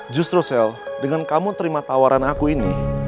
justru sale dengan kamu terima tawaran aku ini